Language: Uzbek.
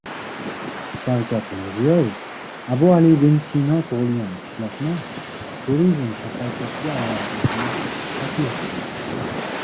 Shavkat Mirziyoyev Abu Ali ibn Sino tug‘ilgan qishloqni turizm shaharchasiga aylantirishni taklif qildi